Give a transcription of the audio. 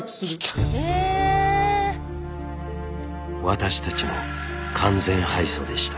私たちの完全敗訴でした。